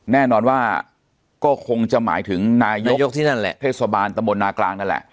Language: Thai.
แน่นอนว่าก็คงจะหมายถึงนายกที่นั่นแหละเทศบาลตะมนนากลางนั่นแหละ